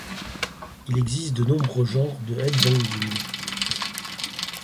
Il existe de nombreux genres de headbanging.